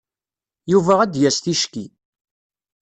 Yuba ad d-yas ticki.